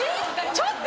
ちょっと！